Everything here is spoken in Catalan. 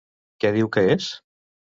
Què diu que és?